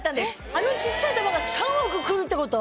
あの小っちゃい玉が３億くるってこと？